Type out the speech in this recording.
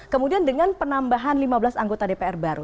kemudian dengan penambahan lima belas anggota dpr baru